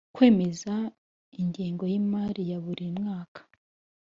kwemeza ingengo y Imari ya buri mwaka